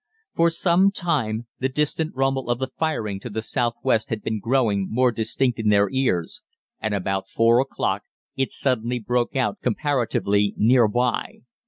"For some time the distant rumble of the firing to the south west had been growing more distinct in their ears, and about four o'clock it suddenly broke out comparatively near by.